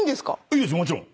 いいですもちろん。